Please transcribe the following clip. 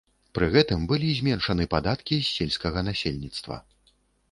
Пры гэтым былі зменшаны падаткі з сельскага насельніцтва.